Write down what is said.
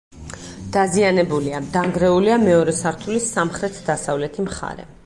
დაზიანებულია: დანგრეულია მეორე სართულის სამხრეთ-დასავლეთი მხარე.